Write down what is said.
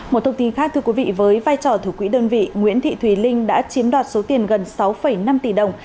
một thông tin khác thưa quý vị với vai trò thủ quỹ đơn vị nguyễn thị thùy linh đã chiếm đoạt số tiền gần sáu năm tỷ đồng